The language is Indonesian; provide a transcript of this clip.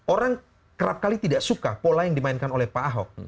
orang kerap kali tidak suka pola yang dimainkan oleh pak ahok